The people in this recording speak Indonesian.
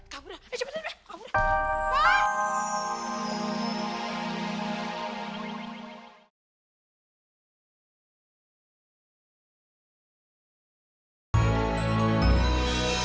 kabur dah eh cepetan deh